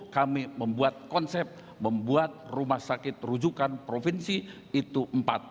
kami membuat konsep membuat rumah sakit rujukan provinsi itu empat